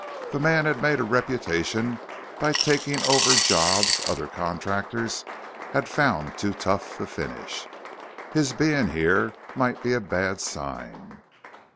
The man had made a reputation by taking over jobs other contractors had found too tough to finish. His being here might be a bad sign.